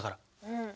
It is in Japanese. うん。